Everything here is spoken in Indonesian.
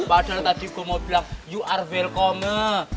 bahasa tati gua mau bilang you are welcome